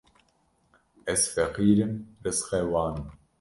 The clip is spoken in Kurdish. Ez feqîr im rizqê wan im